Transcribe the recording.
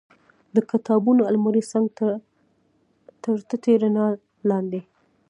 د کتابونو المارۍ څنګ ته تر تتې رڼا لاندې.